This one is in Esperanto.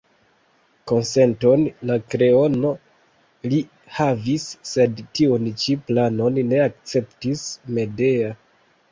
Konsenton de Kreono li havis, sed tiun ĉi planon ne akceptis Medea.